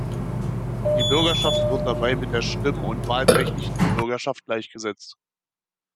Die Bürgerschaft wird dabei mit der stimm- und wahlberechtigten Bürgerschaft gleichgesetzt.